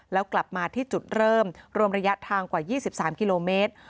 แล้วกลับมาที่จุดเริ่มรวมระยะทางกว่า๒๓กิโลเมตร